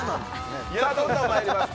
さあ、どんどんまいります。